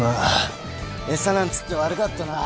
餌なんっつって悪かったな。